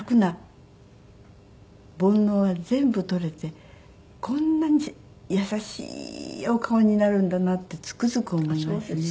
煩悩は全部取れてこんなに優しいお顔になるんだなってつくづく思いますね。